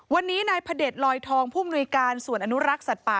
วันนี้นายพระเด็จลอยทองผู้มนุยการส่วนอนุรักษ์สัตว์ป่า